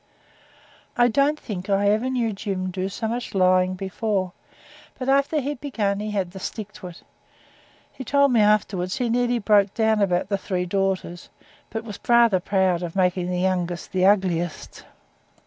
I don't think I ever knew Jim do so much lying before; but after he'd begun he had to stick to it. He told me afterwards he nearly broke down about the three daughters; but was rather proud of making the youngest the ugliest.